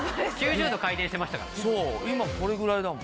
９０度回転してましたからね。